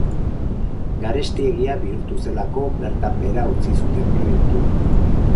Garestiegia bihurtu zelako bertan behera utzi zuten proiektua.